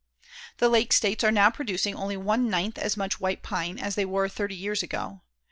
The Lake States are now producing only one ninth as much white pine as they were thirty years ago.